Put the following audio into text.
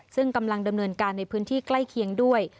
ซึ่งกำลังดำเนินการในพื้นที่ใกล้เคียงด้วย